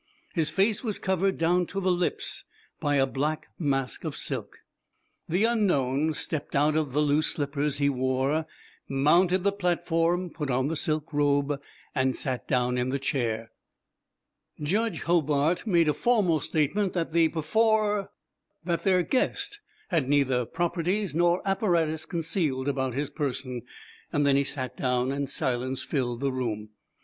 His face was covered down to the lips by a black mask of silk. The unknown stepped out of the loose slippers he wore, mounted the platform, put on the silk robe, and sat down in the chair. Judge Hobart made a formal statement that the perfor that their guest had neither properties nor apparatus concealed about his person. Then he sat down, and silence filled the room.